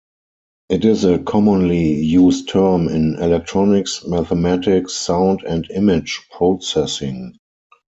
It is a commonly used term in electronics, mathematics, sound, and image processing.